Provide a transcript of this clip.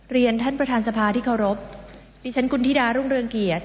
เรียนท่านประธานสภาที่เคารพดิฉันคุณธิดารุ่งเรืองเกียรติ